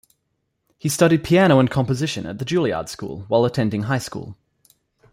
He studied piano and composition at the Juilliard School while attending high school.